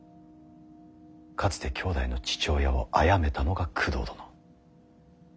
かつて兄弟の父親をあやめたのが工藤殿。